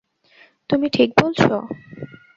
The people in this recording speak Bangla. তুমি ঠিক কী বলছ?